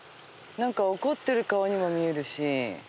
何か怒ってる顔にも見えるし。